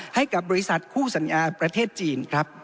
ให้กับบริษัทคู่สัญญาประเทศจีนครับ